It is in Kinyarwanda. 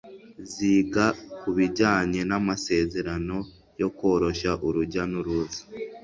ziga ku bijyanye n’amasezerano yo koroshya urujya n’uruza